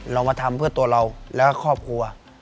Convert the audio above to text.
เรามาทำเพื่อตัวเราและครอบครัว